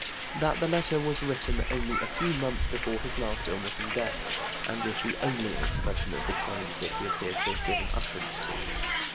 That the letter was written only a few months before his last illness and death, and is the only expression of the kind that he appears to have given utterance to.